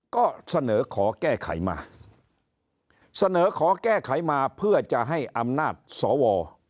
ก็เสนอขอแก้ไขมาเสนอขอแก้ไขมาเพื่อจะให้อำนาจสว